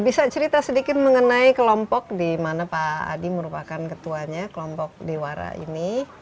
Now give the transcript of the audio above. bisa cerita sedikit mengenai kelompok di mana pak adi merupakan ketuanya kelompok dewara ini